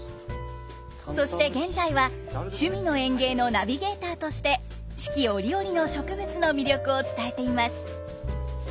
そして現在は「趣味の園芸」のナビゲーターとして四季折々の植物の魅力を伝えています。